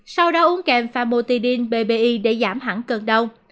sau đó uống kèm phamotidine bbi để giảm hẳn cơn đau